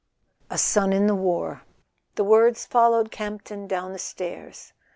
VII SON in the war The words followed Campton down the stairs.